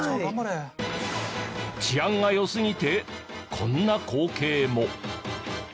治安が良すぎてこんな光景も。